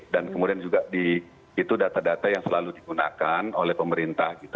dan kemudian juga di itu data data yang selalu digunakan oleh pemerintah